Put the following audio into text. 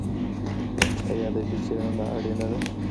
ایا ادبي څېړنه اړینه ده؟